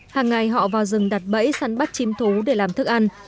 hàng ngày họ vào rừng đặt bẫy sắn bắt chím thú để làm thức ăn